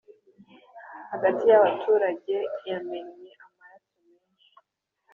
hagati y’abaturage yamennye amaraso menshi